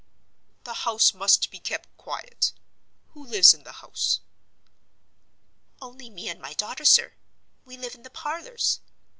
"The house must be kept quiet. Who lives in the house?" "Only me and my daughter, sir; we live in the parlors.